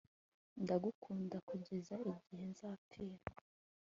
ndagukunda kugeza igihe nzapfira